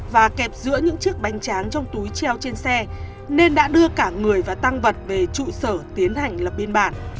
với chiếc bánh tráng trong túi treo trên xe nên đã đưa cả người và tăng vật về trụ sở tiến hành lập biên bản